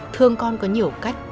thương con có nhiều cách